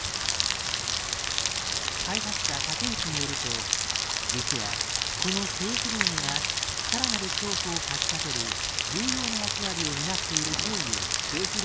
開発者竹内によると実はこのセーフルームがさらなる恐怖をかきたてる重要な役割を担っているという。